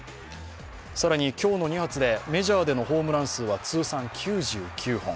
更に今日の２発で、メジャーでのホームラン数は、通算９９本。